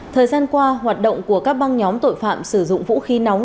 thời gian qua hoạt động của các băng nhóm tội phạm sử dụng vũ khí nóng